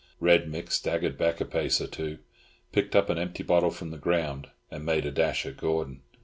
Red Mick staggered back a pace or two, picked up an empty bottle from the ground, and made a dash at Gordon.